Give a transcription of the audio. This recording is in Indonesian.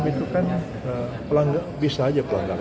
menunjukkan bahwa tidak ada tsm dari kementerian sementara